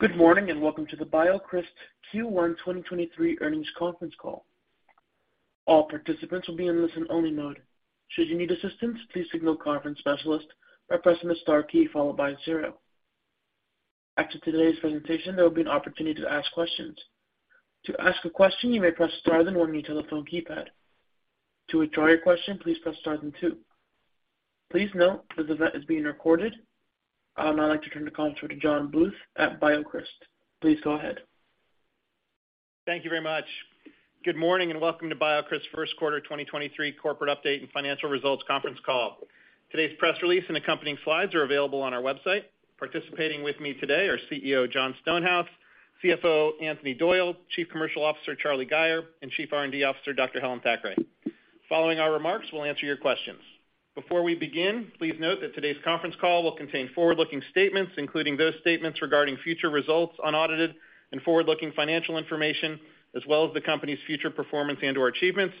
Good morning, and welcome to the BioCryst Q1 2023 Earnings Conference Call. All participants will be in listen-only mode. Should you need assistance, please signal conference specialist by pressing the star key followed by 0. After today's presentation, there will be an opportunity to ask questions. To ask a question, you may press star then one on your telephone keypad. To withdraw your question, please press star then two. Please note this event is being recorded. I would now like to turn the conference to John Bluth at BioCryst. Please go ahead. Thank you very much. Good morning and welcome to BioCryst first quarter 2023 corporate update and financial results conference call. Today's press release and accompanying slides are available on our website. Participating with me today are CEO, Jon Stonehouse, CFO, Anthony Doyle, Chief Commercial Officer, Charlie Gayer, and Chief R&D Officer, Dr. Helen Thackray. Following our remarks, we'll answer your questions. Before we begin, please note that today's conference call will contain forward-looking statements, including those statements regarding future results, unaudited and forward-looking financial information, as well as the company's future performance and, or achievements.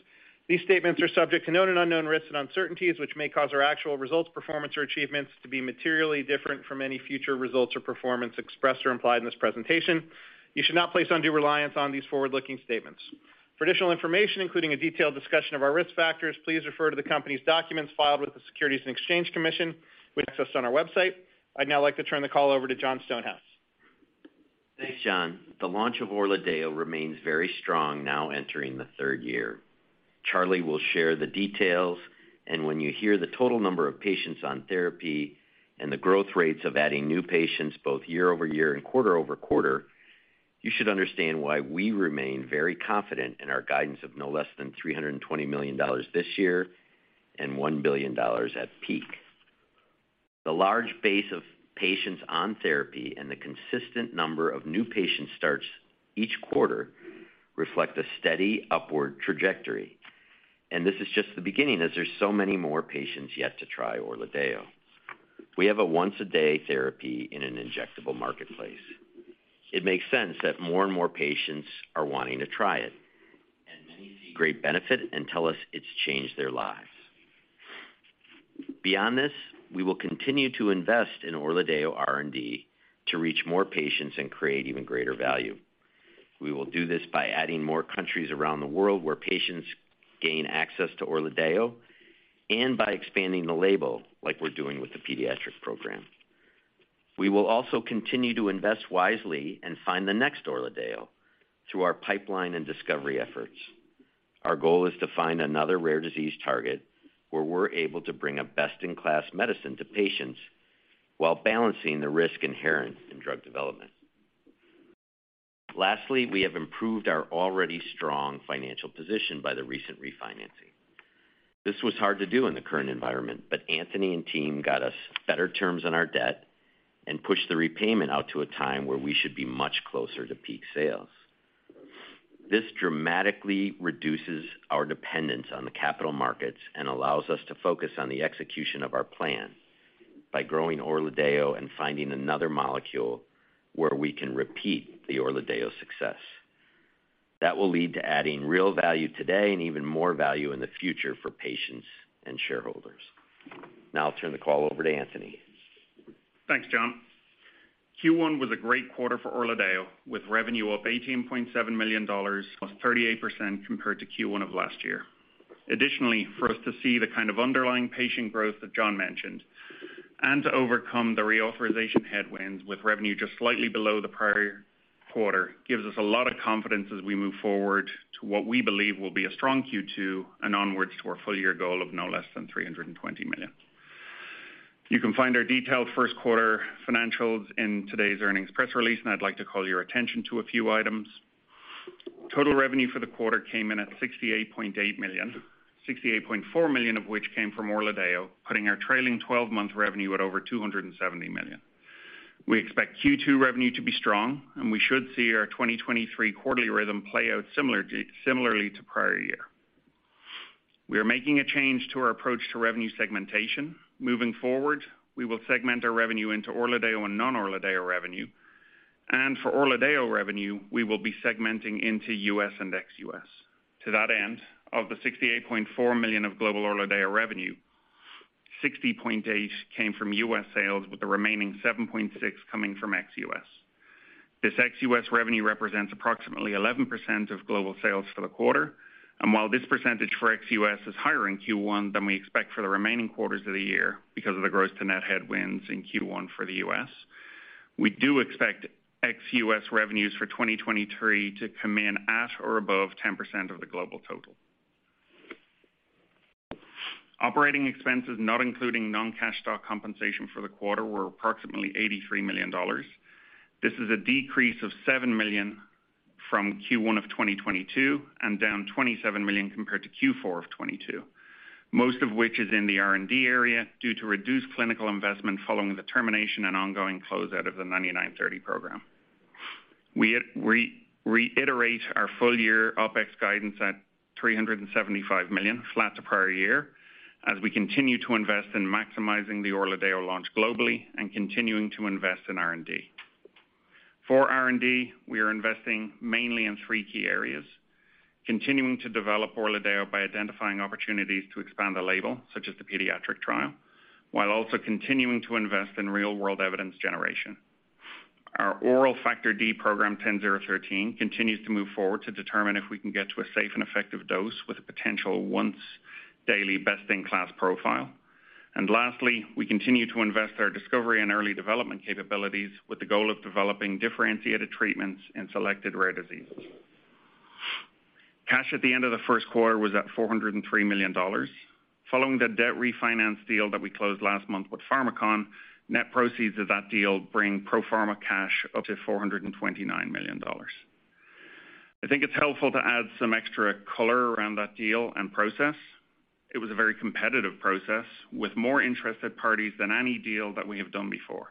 These statements are subject to known and unknown risks and uncertainties, which may cause our actual results, performance or achievements to be materially different from any future results or performance expressed or implied in this presentation. You should not place undue reliance on these forward-looking statements. For additional information, including a detailed discussion of our risk factors, please refer to the company's documents filed with the Securities and Exchange Commission with access on our website. I'd now like to turn the call over to Jon Stonehouse. Thanks, John. The launch of ORLADEYO remains very strong now entering the third year. Charlie will share the details, and when you hear the total number of patients on therapy and the growth rates of adding new patients both year-over-year and quarter-over-quarter, you should understand why we remain very confident in our guidance of no less than $320 million this year and $1 billion at peak. The large base of patients on therapy and the consistent number of new patient starts each quarter reflect a steady upward trajectory, and this is just the beginning as there's so many more patients yet to try ORLADEYO. We have a once-a-day therapy in an injectable marketplace. It makes sense that more and more patients are wanting to try it. Many see great benefit and tell us it's changed their lives. Beyond this, we will continue to invest in ORLADEYO R&D to reach more patients and create even greater value. We will do this by adding more countries around the world where patients gain access to ORLADEYO and by expanding the label like we're doing with the pediatric program. We will also continue to invest wisely and find the next ORLADEYO through our pipeline and discovery efforts. Our goal is to find another rare disease target where we're able to bring a best-in-class medicine to patients while balancing the risk inherent in drug development. We have improved our already strong financial position by the recent refinancing. This was hard to do in the current environment. Anthony and team got us better terms on our debt and pushed the repayment out to a time where we should be much closer to peak sales. This dramatically reduces our dependence on the capital markets and allows us to focus on the execution of our plan by growing ORLADEYO and finding another molecule where we can repeat the ORLADEYO success. That will lead to adding real value today and even more value in the future for patients and shareholders. Now I'll turn the call over to Anthony. Thanks, John. Q1 was a great quarter for ORLADEYO, with revenue up $18.7 million, 38% compared to Q1 of last year. For us to see the kind of underlying patient growth that John mentioned and to overcome the reauthorization headwinds with revenue just slightly below the prior quarter gives us a lot of confidence as we move forward to what we believe will be a strong Q2 and onwards to our full year goal of no less than $320 million. You can find our detailed first quarter financials in today's earnings press release, I'd like to call your attention to a few items. Total revenue for the quarter came in at $68.8 million, $68.4 million of which came from ORLADEYO, putting our trailing 12-month revenue at over $270 million. We expect Q2 revenue to be strong. We should see our 2023 quarterly rhythm play out similarly to prior year. We are making a change to our approach to revenue segmentation. Moving forward, we will segment our revenue into ORLADEYO and non-ORLADEYO revenue. For ORLADEYO revenue, we will be segmenting into US and ex-US. To that end, of the $68.4 million of global ORLADEYO revenue, $60.8 million came from US sales, with the remaining $7.6 million coming from ex-US. This ex-US revenue represents approximately 11% of global sales for the quarter. While this percentage for ex-US is higher in Q1 than we expect for the remaining quarters of the year because of the gross to net headwinds in Q1 for the US, we do expect ex-US revenues for 2023 to come in at or above 10% of the global total. Operating expenses, not including non-cash stock compensation for the quarter, were approximately $83 million. This is a decrease of $7 million from Q1 of 2022 and down $27 million compared to Q4 of 2022, most of which is in the R&D area due to reduced clinical investment following the termination and ongoing closeout of the 9930 program. We reiterate our full-year OPEX guidance at $375 million, flat to prior year, as we continue to invest in maximizing the ORLADEYO launch globally and continuing to invest in R&D. For R&D, we are investing mainly in three key areas. Continuing to develop ORLADEYO by identifying opportunities to expand the label, such as the pediatric trial, while also continuing to invest in real-world evidence generation. Our oral Factor D program, BCX10013, continues to move forward to determine if we can get to a safe and effective dose with a potential once-daily best-in-class profile. Lastly, we continue to invest our discovery and early development capabilities with the goal of developing differentiated treatments in selected rare diseases. Cash at the end of the first quarter was at $403 million. Following the debt refinance deal that we closed last month with Pharmakon, net proceeds of that deal bring pro forma cash up to $429 million. I think it's helpful to add some extra color around that deal and process. It was a very competitive process with more interested parties than any deal that we have done before.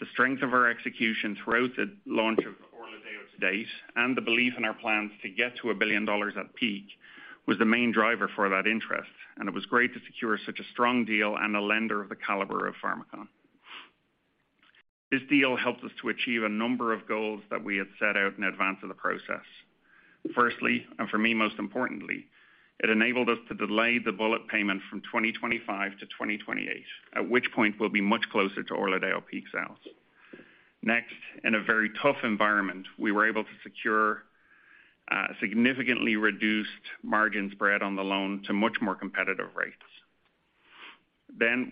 The strength of our execution throughout the launch of ORLADEYO to date and the belief in our plans to get to $1 billion at peak was the main driver for that interest. It was great to secure such a strong deal and a lender of the caliber of Pharmakon. This deal helps us to achieve a number of goals that we had set out in advance of the process. Firstly, and for me, most importantly, it enabled us to delay the bullet payment from 2025 to 2028, at which point we'll be much closer to ORLADEYO peak sales. Next, in a very tough environment, we were able to secure significantly reduced margin spread on the loan to much more competitive rates.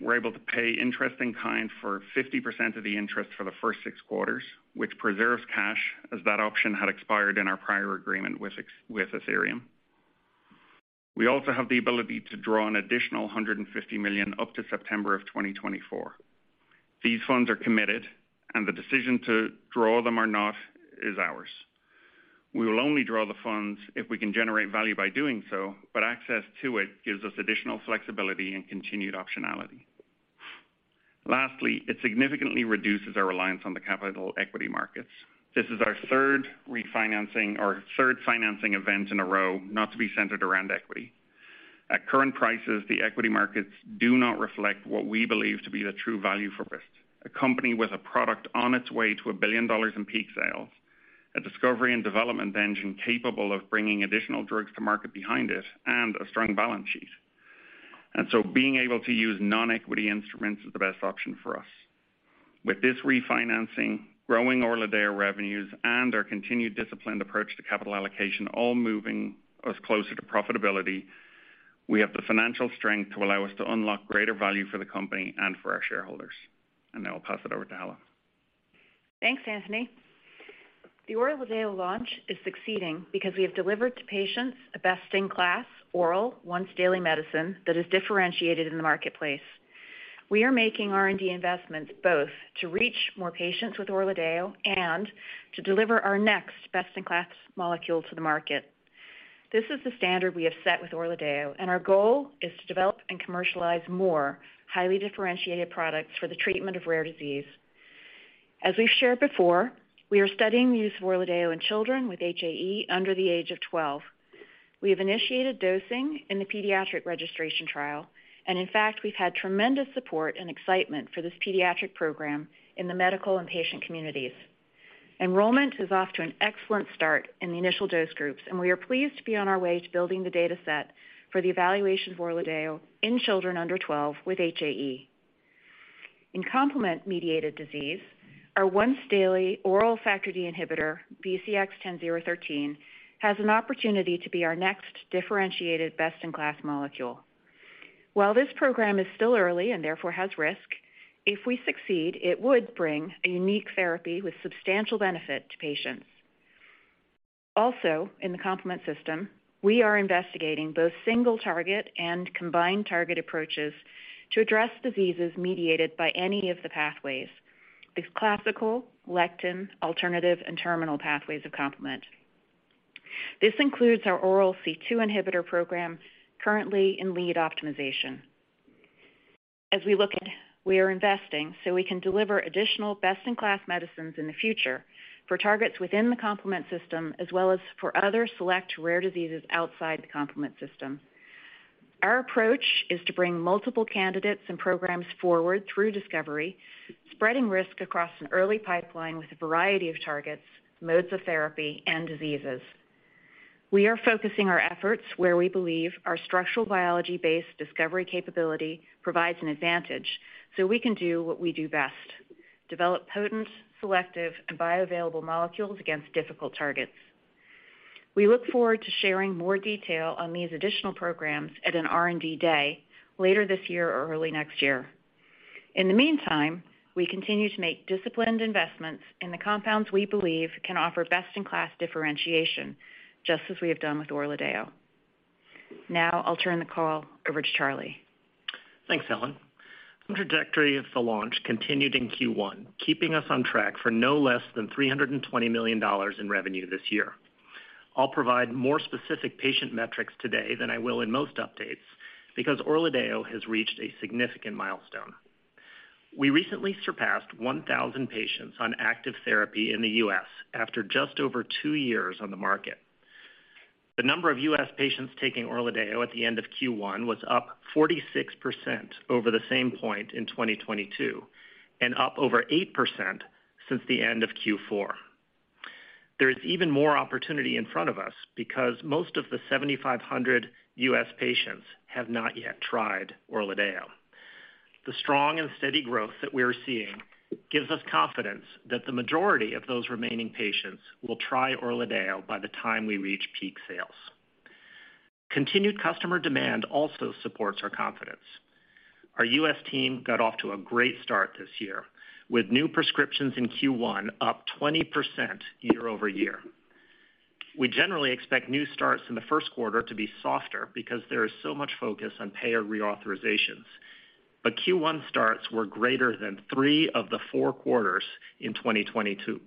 We're able to pay interest in kind for 50% of the interest for the first six quarters, which preserves cash as that option had expired in our prior agreement with Athyrium. We also have the ability to draw an additional $150 million up to September of 2024. These funds are committed and the decision to draw them or not is ours. We will only draw the funds if we can generate value by doing so, but access to it gives us additional flexibility and continued optionality. It significantly reduces our reliance on the capital equity markets. This is our third refinancing or third financing event in a row not to be centered around equity. At current prices, the equity markets do not reflect what we believe to be the true value for BioCryst, a company with a product on its way to $1 billion in peak sales, a discovery and development engine capable of bringing additional drugs to market behind it, and a strong balance sheet. Being able to use non-equity instruments is the best option for us. With this refinancing, growing ORLADEYO revenues, and our continued disciplined approach to capital allocation all moving us closer to profitability, we have the financial strength to allow us to unlock greater value for the company and for our shareholders. Now I'll pass it over to Helen. Thanks, Anthony. The ORLADEYO launch is succeeding because we have delivered to patients a best-in-class oral once daily medicine that is differentiated in the marketplace. We are making R&D investments both to reach more patients with ORLADEYO and to deliver our next best-in-class molecule to the market. This is the standard we have set with ORLADEYO, and our goal is to develop and commercialize more highly differentiated products for the treatment of rare disease. As we've shared before, we are studying the use of ORLADEYO in children with HAE under the age of 12. We have initiated dosing in the pediatric registration trial, and in fact, we've had tremendous support and excitement for this pediatric program in the medical and patient communities. Enrollment is off to an excellent start in the initial dose groups, and we are pleased to be on our way to building the data set for the evaluation of ORLADEYO in children under 12 with HAE. In complement mediated disease, our once daily oral Factor D inhibitor, BCX10013, has an opportunity to be our next differentiated best-in-class molecule. While this program is still early and therefore has risk, if we succeed, it would bring a unique therapy with substantial benefit to patients. Also, in the complement system, we are investigating both single target and combined target approaches to address diseases mediated by any of the pathways. These classical, lectin, alternative, and terminal pathway of complement. This includes our oral C2 inhibitor program currently in lead optimization. As we look at, we are investing so we can deliver additional best-in-class medicines in the future for targets within the complement system, as well as for other select rare diseases outside the complement system. Our approach is to bring multiple candidates and programs forward through discovery, spreading risk across an early pipeline with a variety of targets, modes of therapy, and diseases. We are focusing our efforts where we believe our structure-guided drug design capability provides an advantage, so we can do what we do best: develop potent, selective, and bioavailable molecules against difficult targets. We look forward to sharing more detail on these additional programs at an R&D Day later this year or early next year. In the meantime, we continue to make disciplined investments in the compounds we believe can offer best-in-class differentiation, just as we have done with ORLADEYO. I'll turn the call over to Charlie. Thanks, Helen. The trajectory of the launch continued in Q1, keeping us on track for no less than $320 million in revenue this year. I'll provide more specific patient metrics today than I will in most updates because ORLADEYO has reached a significant milestone. We recently surpassed 1,000 patients on active therapy in the U.S. after just over two years on the market. The number of U.S. patients taking ORLADEYO at the end of Q1 was up 46% over the same point in 2022 and up over 8% since the end of Q4. There is even more opportunity in front of us because most of the 7,500 U.S. patients have not yet tried ORLADEYO. The strong and steady growth that we're seeing gives us confidence that the majority of those remaining patients will try ORLADEYO by the time we reach peak sales. Continued customer demand also supports our confidence. Our U.S. team got off to a great start this year, with new prescriptions in Q1 up 20% year-over-year. We generally expect new starts in the first quarter to be softer because there is so much focus on payer reauthorizations. Q1 starts were greater than three of the four quarters in 2022.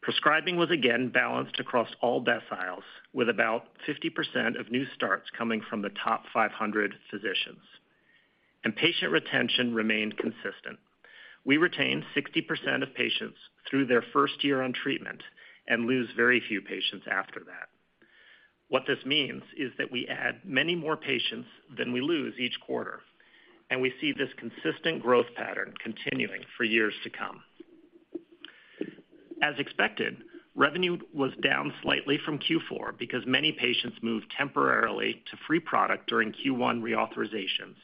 Prescribing was again balanced across all deciles, with about 50% of new starts coming from the top 500 physicians. Patient retention remained consistent. We retain 60% of patients through their first year on treatment and lose very few patients after that. What this means is that we add many more patients than we lose each quarter. We see this consistent growth pattern continuing for years to come. As expected, revenue was down slightly from Q4 because many patients moved temporarily to free product during Q1 reauthorizations.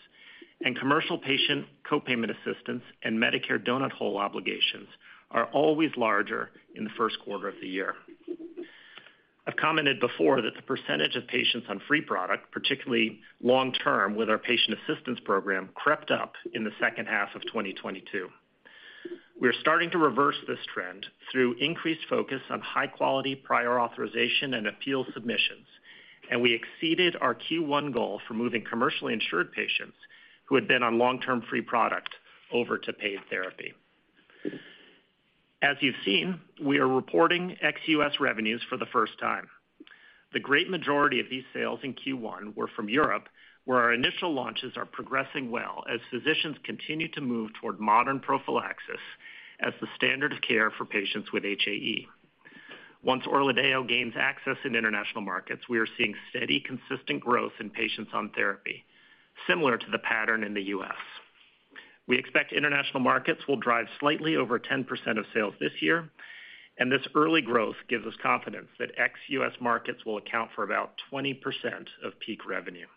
Commercial patient co-payment assistance and Medicare donut hole obligations are always larger in the first quarter of the year. I've commented before that the percentage of patients on free product, particularly long-term with our patient assistance program, crept up in the second half of 2022. We are starting to reverse this trend through increased focus on high-quality prior authorization and appeal submissions. We exceeded our Q1 goal for moving commercially insured patients who had been on long-term free product over to paid therapy. As you've seen, we are reporting ex-US revenues for the first time. The great majority of these sales in Q1 were from Europe, where our initial launches are progressing well as physicians continue to move toward modern prophylaxis as the standard of care for patients with HAE. Once ORLADEYO gains access in international markets, we are seeing steady, consistent growth in patients on therapy, similar to the pattern in the US. We expect international markets will drive slightly over 10% of sales this year, and this early growth gives us confidence that ex-US markets will account for about 20% of peak revenue.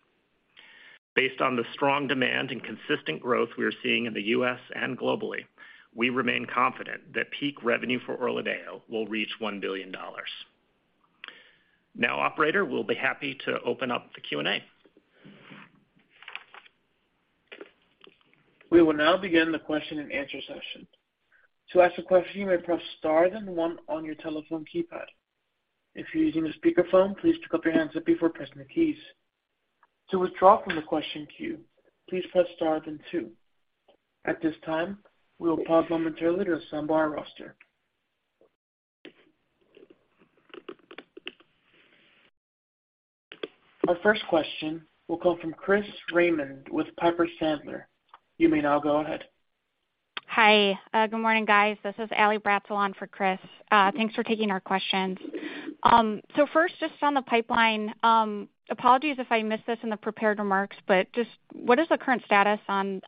Based on the strong demand and consistent growth we are seeing in the US and globally, we remain confident that peak revenue for ORLADEYO will reach $1 billion. operator, we'll be happy to open up the Q&A. We will now begin the question-and-answer session. To ask a question, you may press star then one on your telephone keypad. If you're using a speakerphone, please pick up your handset before pressing the keys. To withdraw from the question queue, please press star then two. At this time, we will pause momentarily to assemble our roster. Our first question will come from Chris Raymond with Piper Sandler. You may now go ahead. Hi, good morning, guys. This is Ally Bratzel for Chris. Thanks for taking our questions. First, just on the pipeline, apologies if I missed this in the prepared remarks, but just what is the current status on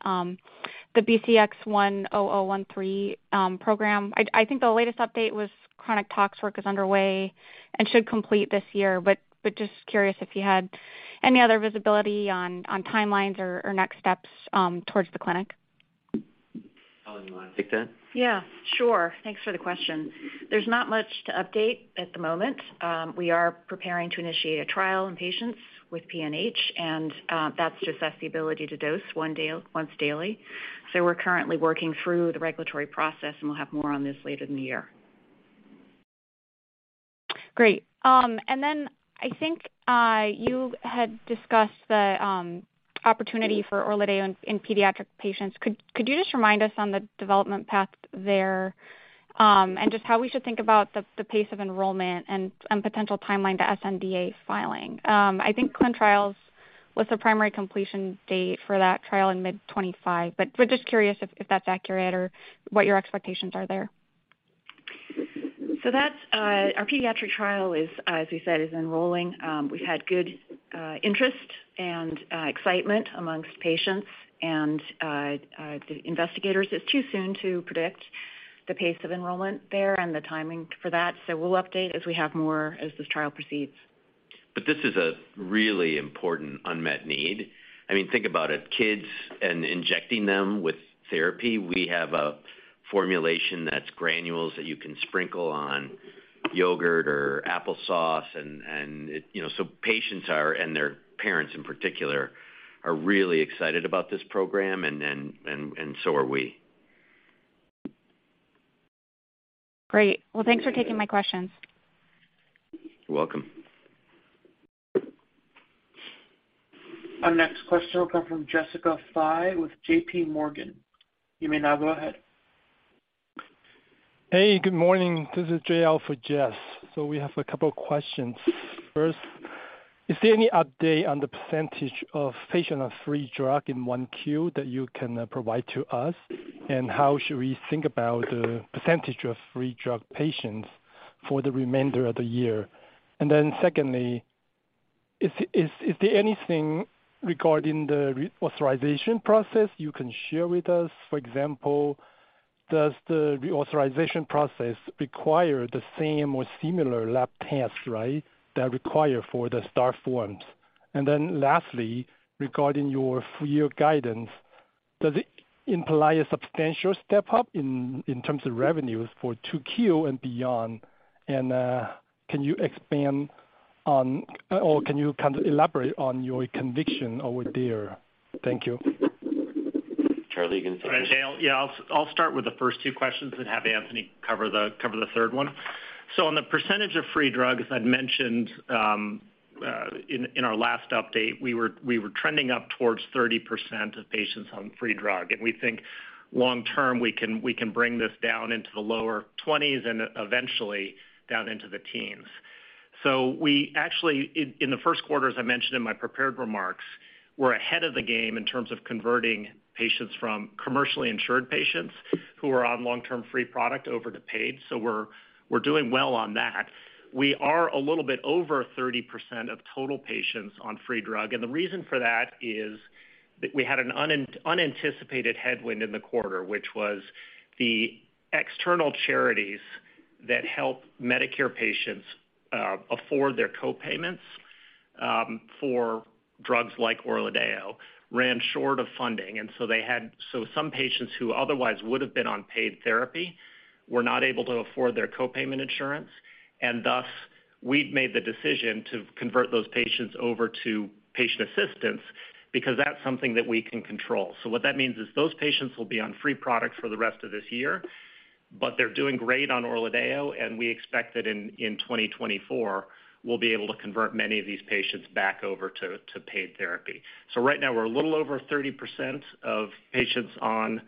the BCX10013 program? I think the latest update was chronic tox work is underway and should complete this year, but just curious if you had any other visibility on timelines or next steps towards the clinic. Ally, you wanna take that? Yeah, sure. Thanks for the question. There's not much to update at the moment. We are preparing to initiate a trial in patients with PNH, and, that's to assess the ability to dose once daily. We're currently working through the regulatory process, and we'll have more on this later in the year. Great. I think you had discussed the opportunity for ORLADEYO in pediatric patients. Could you just remind us on the development path there, and just how we should think about the pace of enrollment and potential timeline to sNDA filing? I think ClinicalTrials.gov was the primary completion date for that trial in mid 2025, but we're just curious if that's accurate or what your expectations are there. That's our pediatric trial is, as we said, is enrolling. We've had good interest and excitement amongst patients and the investigators. It's too soon to predict the pace of enrollment there and the timing for that, so we'll update as we have more as this trial proceeds. This is a really important unmet need. I mean, think about it, kids and injecting them with therapy. We have a formulation that's granules that you can sprinkle on yogurt or applesauce and, you know, so patients are, and their parents in particular, are really excited about this program and then, and so are we. Great. Well, thanks for taking my questions. You're welcome. Our next question will come from Jessica Fye with JP Morgan. You may now go ahead. Hey, good morning. This is JL for Jess. We have a couple questions. First, is there any update on the % of patients on free drug in 1Q that you can provide to us? How should we think about the % of free drug patients for the remainder of the year? Secondly. Is there anything regarding the re-authorization process you can share with us? For example, does the reauthorization process require the same or similar lab tests, right, that require for the start forms? Lastly, regarding your full year guidance, does it imply a substantial step-up in terms of revenues for 2Q and beyond? Can you kind of elaborate on your conviction over there? Thank you. Charlie, you can start. All right, JL. Yeah, I'll start with the first two questions and have Anthony cover the third one. On the percentage of free drugs I'd mentioned, in our last update, we were trending up towards 30% of patients on free drug. We think long term, we can bring this down into the lower twenties and eventually down into the teens. We actually, in the first quarter, as I mentioned in my prepared remarks, we're ahead of the game in terms of converting patients from commercially insured patients who are on long-term free product over to paid. We're doing well on that. We are a little bit over 30% of total patients on free drug. The reason for that is that we had an unanticipated headwind in the quarter, which was the external charities that help Medicare patients afford their co-payments for drugs like ORLADEYO ran short of funding. Some patients who otherwise would have been on paid therapy were not able to afford their co-payment insurance. Thus, we've made the decision to convert those patients over to patient assistance because that's something that we can control. What that means is those patients will be on free product for the rest of this year, but they're doing great on ORLADEYO. We expect that in 2024, we'll be able to convert many of these patients back over to paid therapy. Right now we're a little over 30% of patients on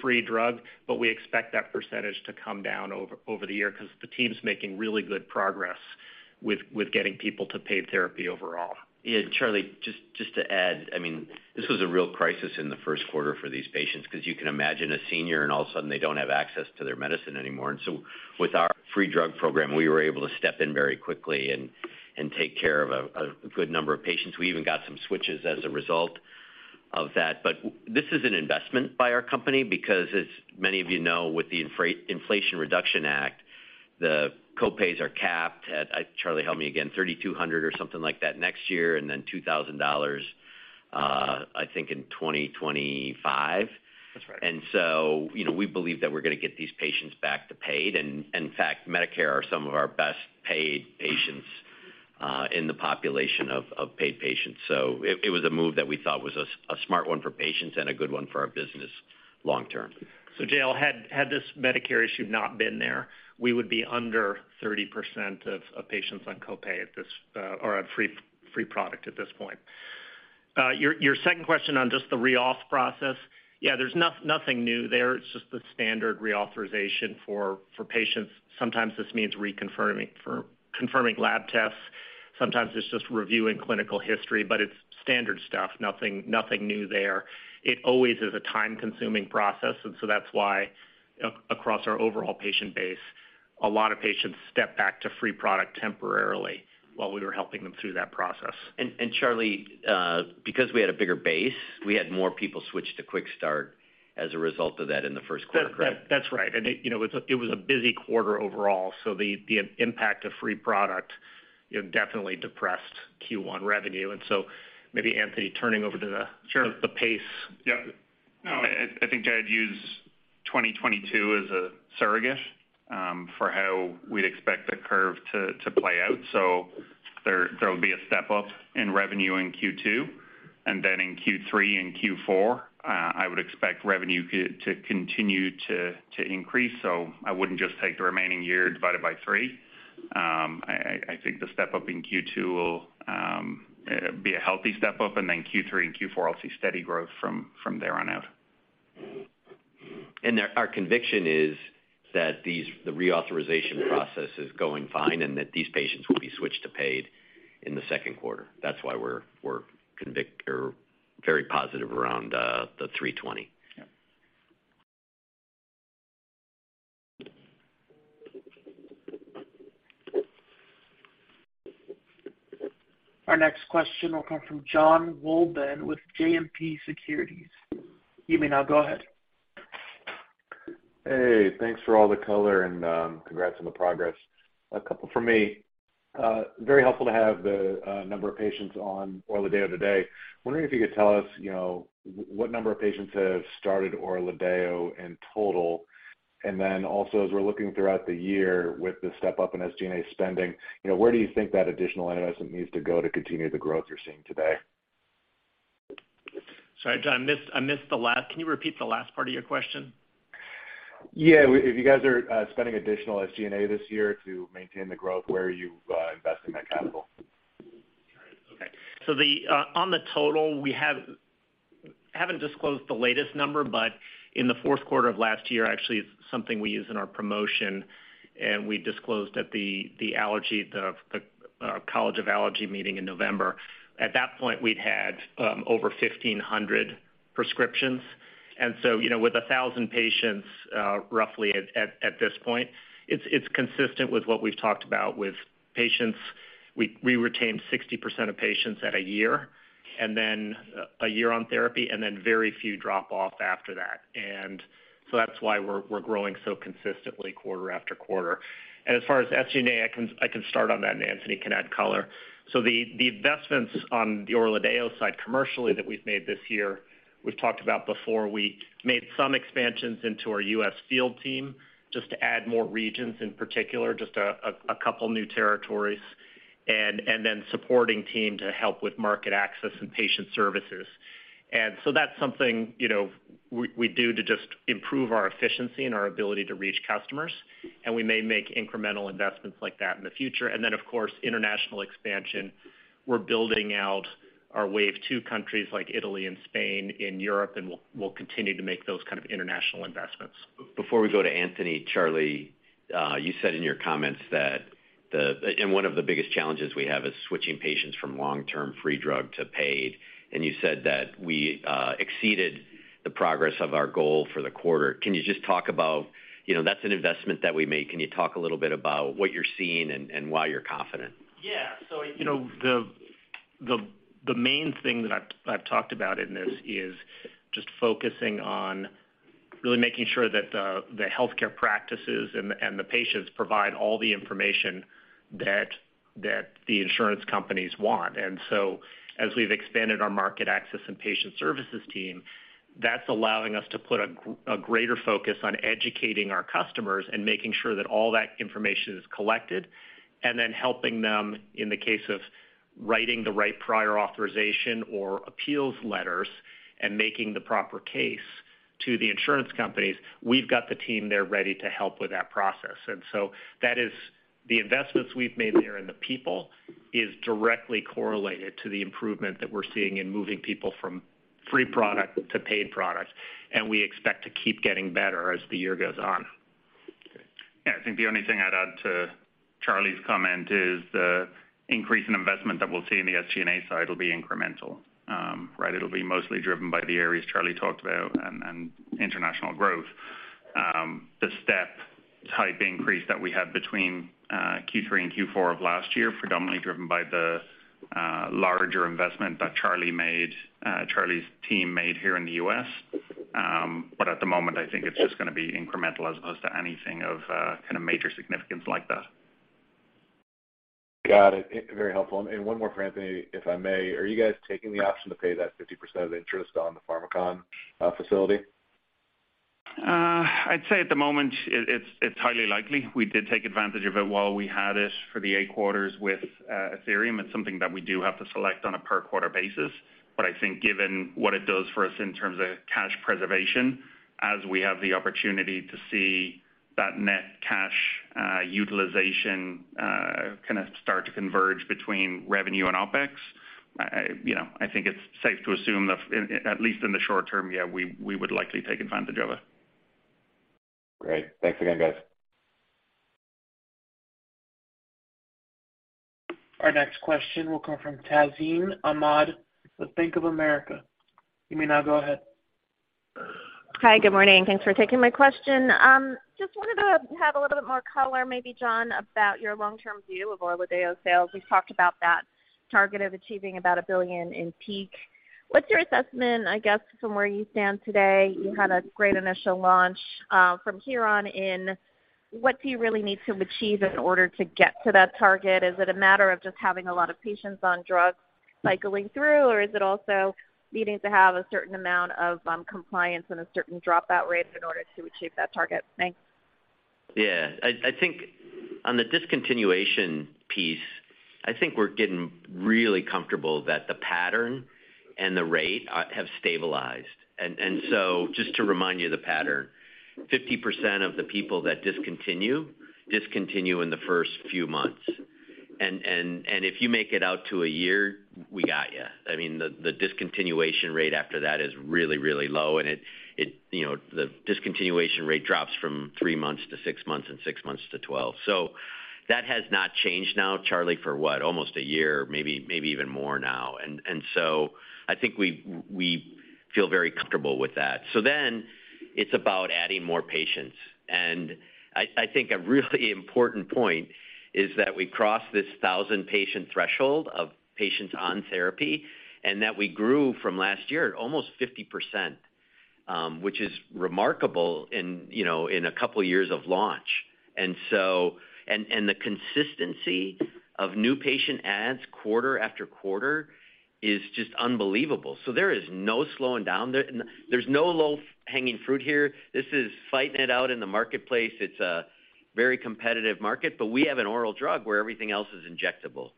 free drug, but we expect that percentage to come down over the year because the team's making really good progress with getting people to paid therapy overall. Yeah, Charlie, just to add, I mean, this was a real crisis in the first quarter for these patients 'cause you can imagine a senior and all of a sudden they don't have access to their medicine anymore. With our free drug program, we were able to step in very quickly and take care of a good number of patients. We even got some switches as a result of that. This is an investment by our company because as many of you know, with the Inflation Reduction Act, the co-pays are capped at, Charlie, help me again, $3,200 or something like that next year, and then $2,000, I think in 2025. That's right. you know, we believe that we're gonna get these patients back to paid. In fact, Medicare are some of our best paid patients, in the population of paid patients. It was a move that we thought was a smart one for patients and a good one for our business long term. JL, had this Medicare issue not been there, we would be under 30% of patients on co-pay at this, or on free product at this point. Your second question on just the reauth process. Yeah, there's nothing new there. It's just the standard reauthorization for patients. Sometimes this means confirming lab tests. Sometimes it's just reviewing clinical history, but it's standard stuff. Nothing new there. It always is a time-consuming process, that's why across our overall patient base, a lot of patients step back to free product temporarily while we were helping them through that process. Charlie, because we had a bigger base, we had more people switch to QuickStart as a result of that in the first quarter, correct? That's right. It, you know, it was a busy quarter overall. The, the impact of free product, you know, definitely depressed Q1 revenue. Maybe Anthony turning over to the Sure. The pace. Yeah. No, I think I'd use 2022 as a surrogate for how we'd expect the curve to play out. There, there'll be a step-up in revenue in Q2. In Q3 and Q4, I would expect revenue to continue to increase. I wouldn't just take the remaining year divided by three. I, I think the step-up in Q2 will be a healthy step-up. Q3 and Q4, I'll see steady growth from there on out. Our conviction is that the reauthorization process is going fine and that these patients will be switched to paid in the second quarter. That's why we're very positive around the 320. Yeah. Our next question will come from Jon Wolleben with JMP Securities. You may now go ahead. Hey, thanks for all the color and congrats on the progress. A couple from me. Very helpful to have the number of patients on ORLADEYO today. Wondering if you could tell us, you know, what number of patients have started ORLADEYO in total. Then also, as we're looking throughout the year with the step-up in SG&A spending, you know, where do you think that additional investment needs to go to continue the growth you're seeing today? Sorry, John, I missed the last. Can you repeat the last part of your question? If you guys are spending additional SG&A this year to maintain the growth, where are you investing that capital? On the total, we haven't disclosed the latest number, but in the fourth quarter of last year, actually, it's something we use in our promotion, and we disclosed at the College of Allergy meeting in November. At that point, we'd had over 1,500 prescriptions. You know, with 1,000 patients, roughly at this point, it's consistent with what we've talked about with patients. We retain 60% of patients at a year, and then a year on therapy, and then very few drop off after that. That's why we're growing so consistently quarter after quarter. As far as SG&A, I can start on that, and Anthony can add color. The investments on the ORLADEYO side commercially that we've made this year, we've talked about before. We made some expansions into our U.S. field team just to add more regions, in particular, just a couple new territories and then supporting team to help with market access and patient services. That's something, you know, we do to just improve our efficiency and our ability to reach customers, and we may make incremental investments like that in the future. Then, of course, international expansion. We're building out our wave two countries like Italy and Spain in Europe, and we'll continue to make those kind of international investments. Before we go to Anthony, Charlie, you said in your comments that one of the biggest challenges we have is switching patients from long-term free drug to paid. You said that we exceeded the progress of our goal for the quarter. Can you just talk about, you know, that's an investment that we make? Can you talk a little bit about what you're seeing and why you're confident? Yeah. You know, the main thing that I've talked about in this is just focusing on really making sure that the healthcare practices and the patients provide all the information that the insurance companies want. As we've expanded our market access and patient services team, that's allowing us to put a greater focus on educating our customers and making sure that all that information is collected, and then helping them in the case of writing the right prior authorization or appeals letters and making the proper case to the insurance companies. We've got the team there ready to help with that process. That is the investments we've made there in the people is directly correlated to the improvement that we're seeing in moving people from free product to paid product, and we expect to keep getting better as the year goes on. Okay. Yeah. I think the only thing I'd add to Charlie's comment is the increase in investment that we'll see in the SG&A side will be incremental. right? It'll be mostly driven by the areas Charlie talked about and international growth. The step type increase that we had between Q3 and Q4 of last year, predominantly driven by the larger investment that Charlie made, Charlie's team made here in the U.S. At the moment, I think it's just gonna be incremental as opposed to anything of kind of major significance like that. Got it. Very helpful. One more for Anthony, if I may. Are you guys taking the option to pay that 50% of interest on the Pharmakon facility? I'd say at the moment it's highly likely. We did take advantage of it while we had it for the eight quarters with Athyrium. It's something that we do have to select on a per quarter basis. I think given what it does for us in terms of cash preservation, as we have the opportunity to see that net cash utilization, kinda start to converge between revenue and OpEx, I, you know, I think it's safe to assume that in, at least in the short term, yeah, we would likely take advantage of it. Great. Thanks again, guys. Our next question will come from Tazeen Ahmad with Bank of America. You may now go ahead. Hi, good morning. Thanks for taking my question. Just wanted to have a little bit more color, maybe, Jon, about your long-term view of ORLADEYO sales. We've talked about that target of achieving about $1 billion in peak. What's your assessment, I guess, from where you stand today? You had a great initial launch. From here on in, what do you really need to achieve in order to get to that target? Is it a matter of just having a lot of patients on drugs cycling through, or is it also needing to have a certain amount of compliance and a certain dropout rate in order to achieve that target? Thanks. Yeah. I think on the discontinuation piece, I think we're getting really comfortable that the pattern and the rate have stabilized. Just to remind you of the pattern, 50% of the people that discontinue in the first few months. If you make it out to a year, we got you. I mean, the discontinuation rate after that is really, really low, and it, you know, the discontinuation rate drops from three months to six months and six months to 12. That has not changed now, Charlie, for what? Almost a year, maybe even more now. I think we feel very comfortable with that. It's about adding more patients. I think a really important point is that we crossed this 1,000-patient threshold of patients on therapy and that we grew from last year at almost 50%, which is remarkable in, you know, in a couple years of launch. The consistency of new patient adds quarter after quarter is just unbelievable. There is no slowing down. There's no low hanging fruit here. This is fighting it out in the marketplace. It's a very competitive market, but we have an oral drug where everything else is injectable.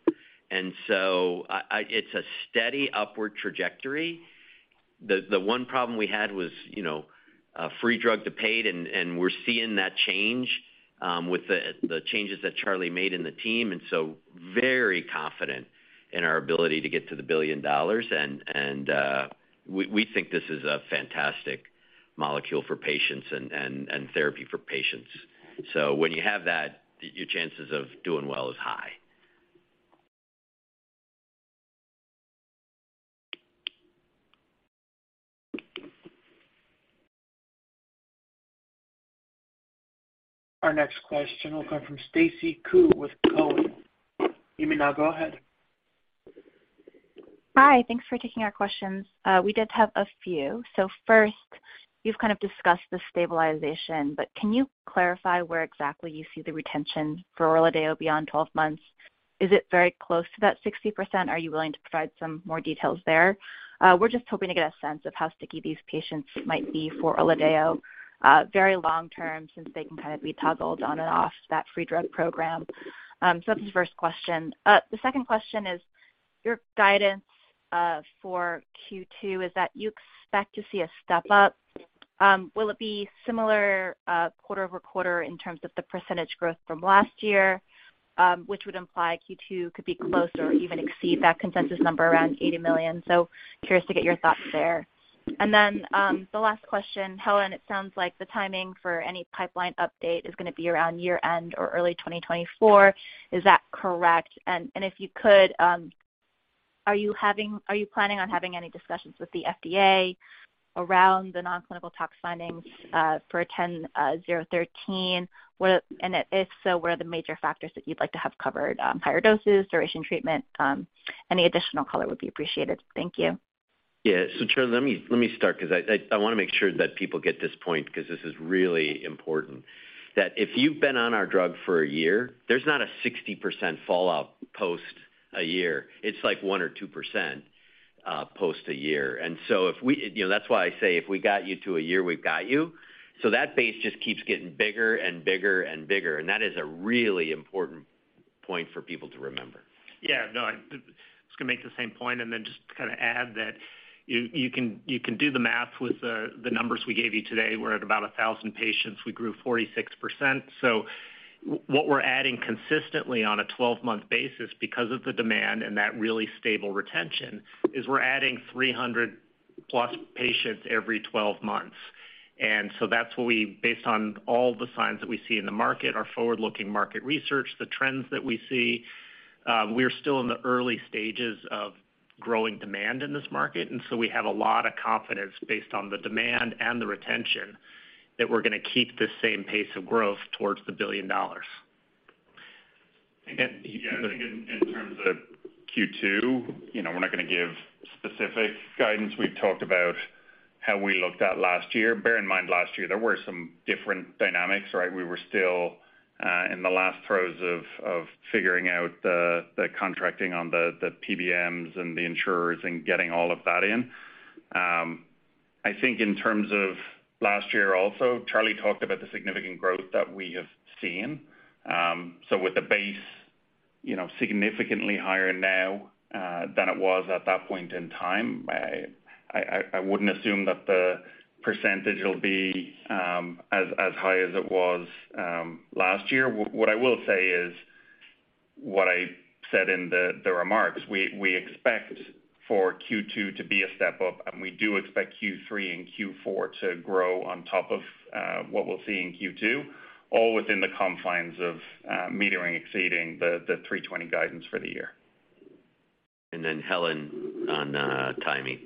I it's a steady upward trajectory. The one problem we had was, you know, free drug to paid, and we're seeing that change with the changes that Charlie made in the team, very confident in our ability to get to the $1 billion. We think this is a fantastic molecule for patients and therapy for patients. When you have that, your chances of doing well is high. Our next question will come from Stacy Ku with TD Cowen. You may now go ahead. Hi. Thanks for taking our questions. We did have a few. You've kind of discussed the stabilization, but can you clarify where exactly you see the retention for ORLADEYO beyond 12 months? Is it very close to that 60%? Are you willing to provide some more details there? We're just hoping to get a sense of how sticky these patients might be for ORLADEYO, very long-term since they can kind of be toggled on and off that free drug program. That's the first question. The second question is your guidance for Q2 is that you expect to see a step-up. Will it be similar, quarter-over-quarter in terms of the percentage growth from last year, which would imply Q2 could be close or even exceed that consensus number around $80 million. Curious to get your thoughts there. The last question, Helen, it sounds like the timing for any pipeline update is gonna be around year-end or early 2024. Is that correct? If you could, are you planning on having any discussions with the FDA around the nonclinical tox findings for BCX10013? If so, were the major factors that you'd like to have covered, higher doses, duration treatment, any additional color would be appreciated. Thank you. Yeah. Charlie, let me start because I wanna make sure that people get this point because this is really important. That if you've been on our drug for a year, there's not a 60% fallout post a year. It's like 1% or 2% post a year. You know, that's why I say if we got you to a year, we've got you. That base just keeps getting bigger and bigger and bigger, and that is a really important point for people to remember. Yeah, no. I was gonna make the same point and then just kind of add that you can do the math with the numbers we gave you today. We're at about 1,000 patients. We grew 46%. What we're adding consistently on a 12-month basis because of the demand and that really stable retention, is we're adding 300+ patients every 12 months. That's what we based on all the signs that we see in the market, our forward-looking market research, the trends that we see, we're still in the early stages of growing demand in this market. We have a lot of confidence based on the demand and the retention that we're gonna keep the same pace of growth towards the $1 billion. And- Yeah. I think in terms of Q2, you know, we're not gonna give specific guidance. We've talked about how we looked at last year. Bear in mind, last year, there were some different dynamics, right? We were still in the last throes of figuring out the contracting on the PBMs and the insurers and getting all of that in. I think in terms of last year also, Charlie talked about the significant growth that we have seen. With the base, you know, significantly higher now than it was at that point in time, I wouldn't assume that the percentage will be as high as it was last year. What I will say is what I said in the remarks. We expect for Q2 to be a step-up, and we do expect Q3 and Q4 to grow on top of what we'll see in Q2, all within the confines of metering exceeding the $320 guidance for the year. Helen on, timing.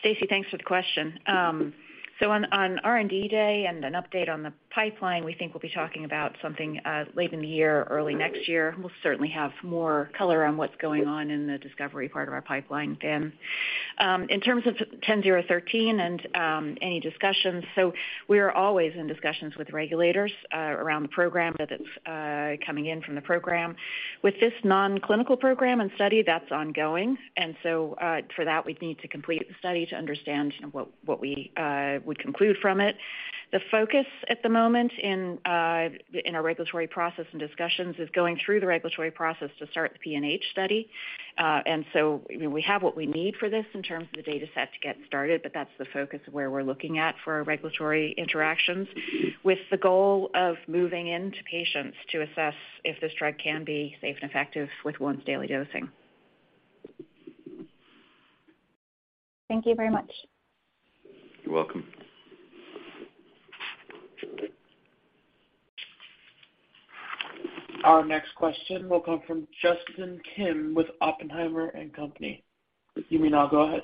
Stacy, thanks for the question. On R&D day and an update on the pipeline, we think we'll be talking about something late in the year, early next year. We'll certainly have more color on what's going on in the discovery part of our pipeline then. In terms of 10013 and any discussions, we are always in discussions with regulators around the program that it's coming in from the program. With this non-clinical program and study, that's ongoing. For that, we'd need to complete the study to understand what we would conclude from it. The focus at the moment in our regulatory process and discussions is going through the regulatory process to start the PNH study. You know, we have what we need for this in terms of the data set to get started, but that's the focus of where we're looking at for our regulatory interactions, with the goal of moving into patients to assess if this drug can be safe and effective with once-daily dosing. Thank you very much. You're welcome. Our next question will come from Justin Kim with Oppenheimer and Company. You may now go ahead.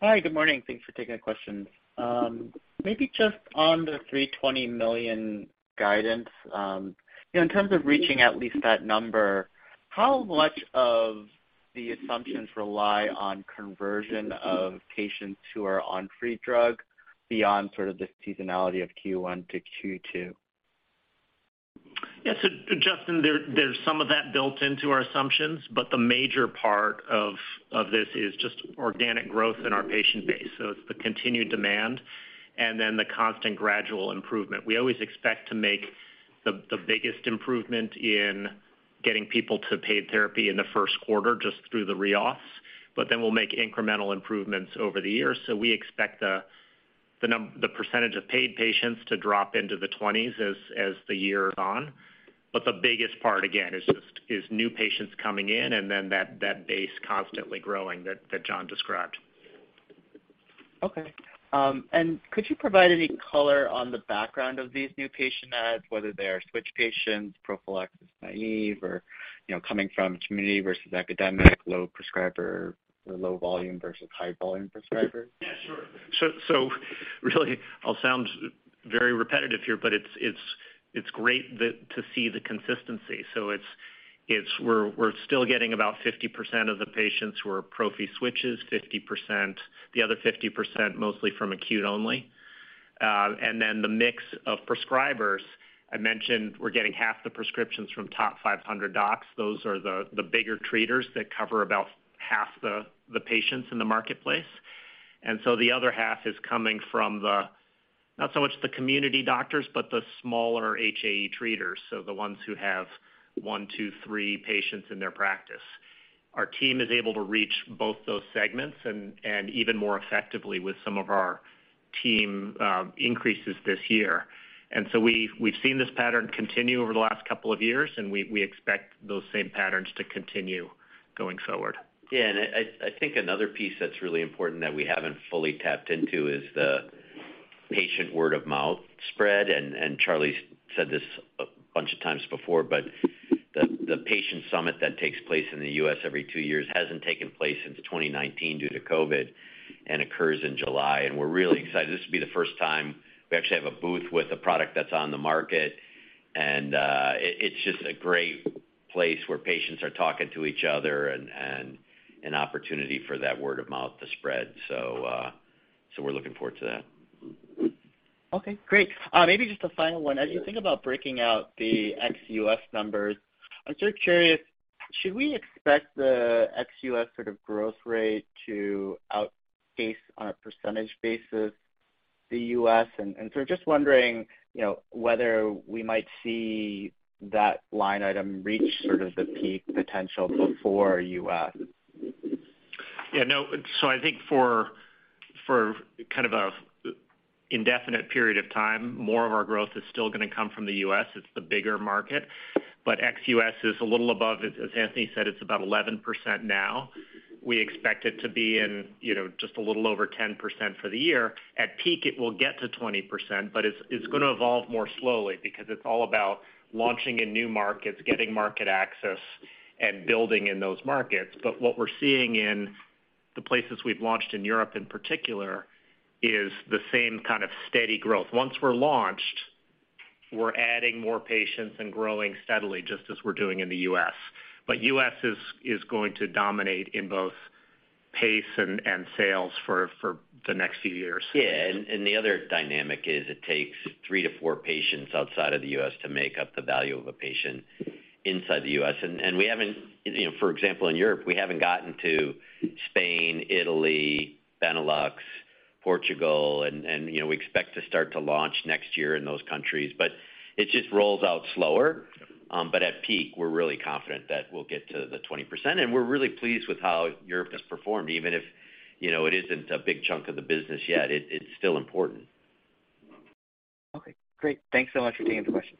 Hi. Good morning. Thanks for taking the questions. maybe just on the $320 million guidance, in terms of reaching at least that number, how much of the assumptions rely on conversion of patients who are on free drug beyond sort of the seasonality of Q1 to Q2? Justin, there's some of that built into our assumptions, but the major part of this is just organic growth in our patient base. It's the continued demand and then the constant gradual improvement. We always expect to make the biggest improvement in getting people to paid therapy in the first quarter just through the re-offs. We'll make incremental improvements over the years. We expect the percentage of paid patients to drop into the 20s as the year is on. The biggest part, again, is new patients coming in and then that base constantly growing that John described. Okay. Could you provide any color on the background of these new patient adds, whether they are switch patients, prophylaxis, naive, or, you know, coming from community versus academic, low prescriber or low volume versus high volume prescribers? Yeah, sure. Really I'll sound very repetitive here, but it's great to see the consistency. We're still getting about 50% of the patients who are prophy switches, the other 50% mostly from acute only. The mix of prescribers, I mentioned we're getting half the prescriptions from top 500 docs. Those are the bigger treaters that cover about half the patients in the marketplace. The other half is coming from not so much the community doctors, but the smaller HAE treaters, so the ones who have one, two, three patients in their practice. Our team is able to reach both those segments and even more effectively with some of our team increases this year. We've seen this pattern continue over the last couple of years, and we expect those same patterns to continue going forward. Yeah. I think another piece that's really important that we haven't fully tapped into is the patient word of mouth spread. Charlie's said this a bunch of times before, but the patient summit that takes place in the U.S. every two years hasn't taken place since 2019 due to COVID and occurs in July. We're really excited. This will be the first time we actually have a booth with a product that's on the market, and it's just a great place where patients are talking to each other and an opportunity for that word of mouth to spread. We're looking forward to that. Okay, great. Maybe just a final one. As you think about breaking out the ex-US numbers, I'm sort of curious, should we expect the ex-US sort of growth rate to outpace on a percentage basis the US? Just wondering, you know, whether we might see that line item reach sort of the peak potential before US. I think for kind of an indefinite period of time, more of our growth is still going to come from the US. It's the bigger market, ex-US is a little above. As Anthony said, it's about 11% now. We expect it to be in, you know, just a little over 10% for the year. At peak, it will get to 20%, but it's going to evolve more slowly because it's all about launching in new markets, getting market access and building in those markets. What we're seeing in the places we've launched in Europe in particular, is the same kind of steady growth. Once we're launched, we're adding more patients and growing steadily, just as we're doing in the US. US is going to dominate in both pace and sales for the next few years. The other dynamic is it takes three to four patients outside of the U.S. to make up the value of a patient inside the U.S. We haven't, you know, for example, in Europe, we haven't gotten to Spain, Italy, Benelux, Portugal, and, you know, we expect to start to launch next year in those countries. It just rolls out slower. At peak, we're really confident that we'll get to the 20%. We're really pleased with how Europe has performed. Even if, you know, it isn't a big chunk of the business yet, it's still important. Okay, great. Thanks so much for taking the question.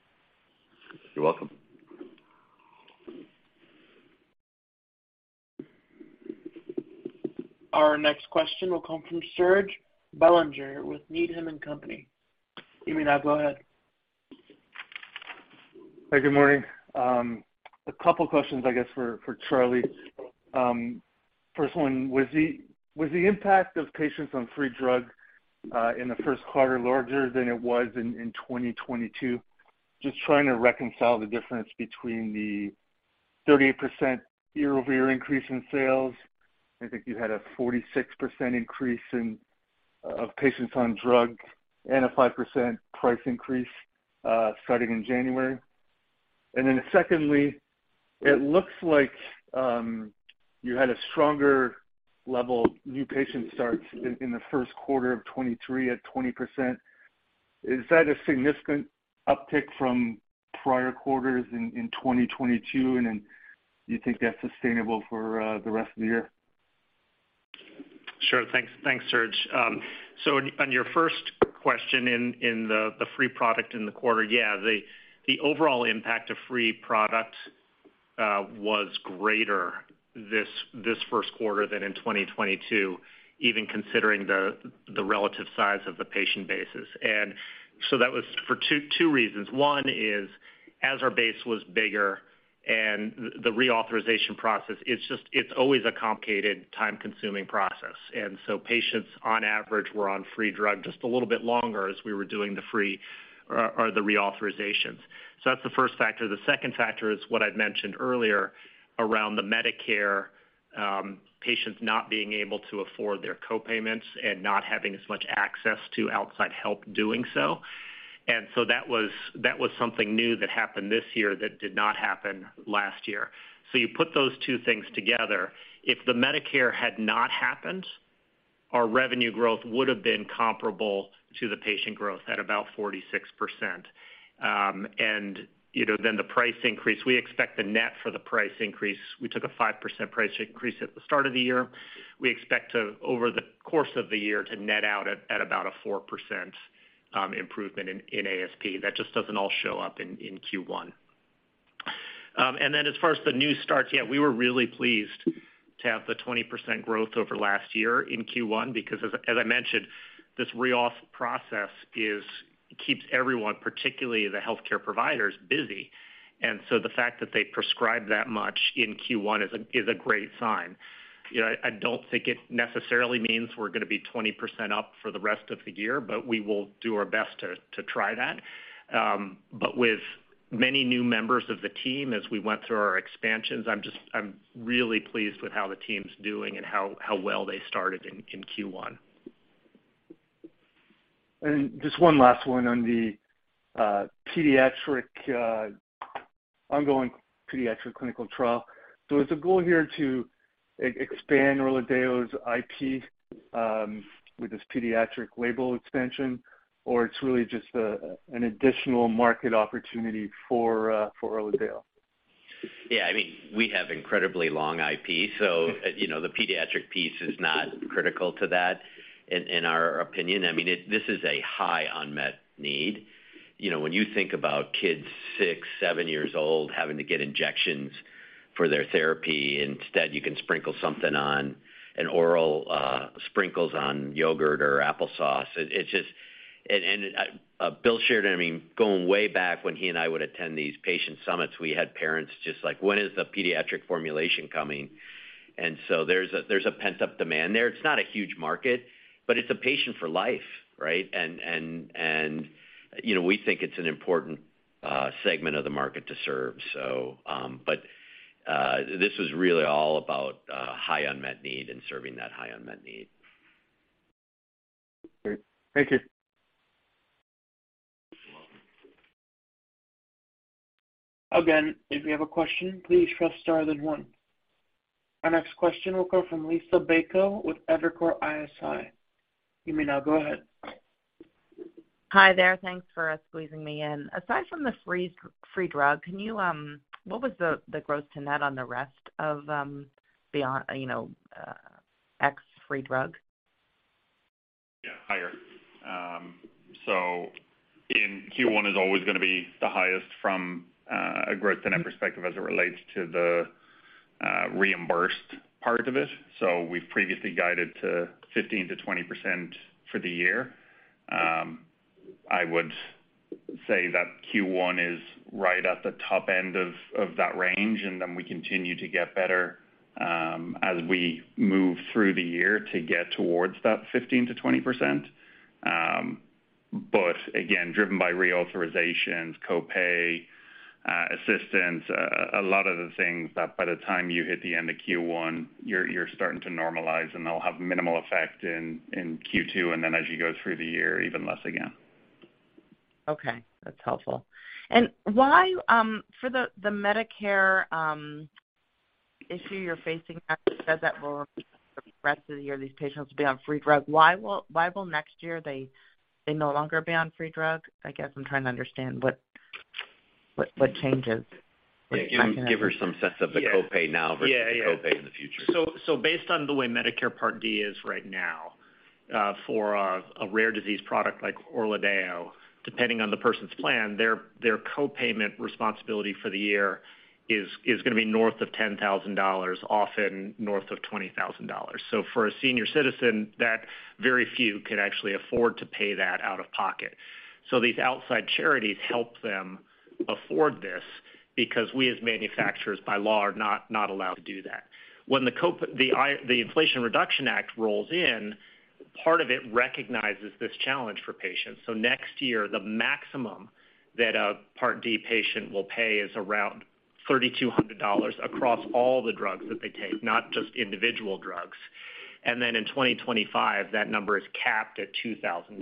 You're welcome. Our next question will come from Serge Belanger with Needham & Company. You may now go ahead. Hey, good morning. A couple questions, I guess, for Charlie. First one, was the, was the impact of patients on free drug in the first quarter larger than it was in 2022? Just trying to reconcile the difference between the 38% year-over-year increase in sales. I think you had a 46% increase of patients on drug and a 5% price increase starting in January. Secondly, it looks like you had a stronger level of new patient starts in the first quarter of 2023 at 20%. Is that a significant uptick from prior quarters in 2022? Do you think that's sustainable for the rest of the year? Sure. Thanks. Thanks, Serge. On your first question in the free product in the quarter, the overall impact of free product was greater this first quarter than in 2022, even considering the relative size of the patient bases. That was for two reasons. One is, as our base was bigger and the reauthorization process, it's always a complicated, time-consuming process. Patients on average were on free drug just a little bit longer as we were doing the free or the reauthorizations. That's the first factor. The second factor is what I'd mentioned earlier around the Medicare patients not being able to afford their co-payments and not having as much access to outside help doing so. That was something new that happened this year that did not happen last year. You put those two things together. If the Medicare had not happened, our revenue growth would have been comparable to the patient growth at about 46%. You know, the price increase, we expect the net for the price increase. We took a 5% price increase at the start of the year. We expect to, over the course of the year, to net out at about a 4% improvement in ASP. That just doesn't all show up in Q1. As far as the new starts, yeah, we were really pleased to have the 20% growth over last year in Q1 because as I mentioned, this reauth process keeps everyone, particularly the healthcare providers, busy. The fact that they prescribed that much in Q1 is a great sign. You know, I don't think it necessarily means we're gonna be 20% up for the rest of the year, but we will do our best to try that. With many new members of the team as we went through our expansions, I'm really pleased with how the team's doing and how well they started in Q1. Just one last one on the pediatric ongoing pediatric clinical trial. Is the goal here to expand ORLADEYO's IP, with this pediatric label expansion, or it's really just an additional market opportunity for ORLADEYO? Yeah, I mean, we have incredibly long IP, so, you know, the pediatric piece is not critical to that in our opinion. I mean, this is a high unmet need. You know, when you think about kids six, seven years old having to get injections for their therapy, instead you can sprinkle something on... An oral sprinkles on yogurt or applesauce. Bill Sheridan, I mean, going way back when he and I would attend these patient summits, we had parents just like, "When is the pediatric formulation coming?" So there's a, there's a pent-up demand there. It's not a huge market, but it's a patient for life, right? And, and, you know, we think it's an important segment of the market to serve. This was really all about high unmet need and serving that high unmet need. Great. Thank you. Again, if you have a question, please press star then one. Our next question will come from Liisa Bayko with Evercore ISI. You may now go ahead. Hi there. Thanks for squeezing me in. Aside from the free drug, can you, what was the gross to net on the rest of, beyond, you know, ex free drug? Yeah, higher. In Q1 is always gonna be the highest from a gross to net perspective as it relates to the reimbursed part of it. We've previously guided to 15%-20% for the year. I would say that Q1 is right at the top end of that range, and then we continue to get better as we move through the year to get towards that 15%-20%. Again, driven by reauthorizations, co-pay assistance, a lot of the things that by the time you hit the end of Q1, you're starting to normalize, and they'll have minimal effect in Q2, and then as you go through the year, even less again. Okay. That's helpful. Why, for the Medicare issue you're facing, said that for the rest of the year these patients will be on free drug. Why will next year they no longer be on free drug? I guess I'm trying to understand what changes? Give her some sense of the co-pay now versus the co-pay in the future. Based on the way Medicare Part D is right now, for a rare disease product like ORLADEYO, depending on the person's plan, their co-payment responsibility for the year is gonna be north of $10,000, often north of $20,000. For a senior citizen that very few could actually afford to pay that out of pocket. These outside charities help them afford this because we as manufacturers by law are not allowed to do that. When the Inflation Reduction Act rolls in, part of it recognizes this challenge for patients. Next year, the maximum that a Part D patient will pay is around $3,200 across all the drugs that they take, not just individual drugs. In 2025, that number is capped at $2,000.